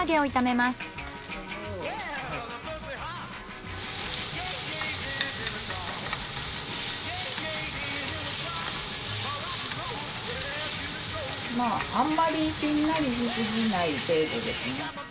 まああんまりしんなりしすぎない程度ですね。